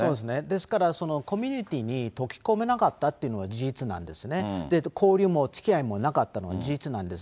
ですから、コミュニティに溶け込めなかったというのは事実なんですね、交流もおつきあいもなかったのは事実なんです。